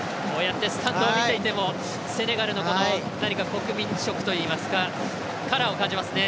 スタンドを見ていてもセネガルの国民色といいますかカラーを感じますね